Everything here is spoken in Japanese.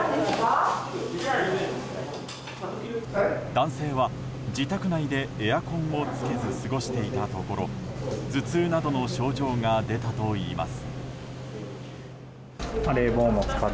男性は自宅内でエアコンをつけず過ごしていたところ頭痛などの症状が出たといいます。